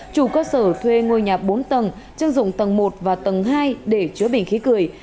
chủ cơ sở thuê ngôi nhà bốn tầng chưng dụng tầng một và tầng hai để chứa bình khí cười